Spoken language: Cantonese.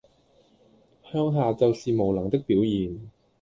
向下就是無能的表現